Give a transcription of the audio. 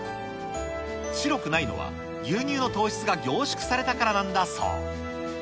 白くないのは、牛乳の糖質が凝縮されたからなんだそう。